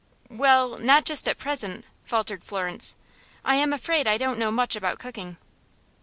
"Well, not just at present," faltered Florence. "I am afraid I don't know much about cooking."